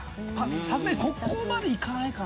さすがにここまでいかないかな。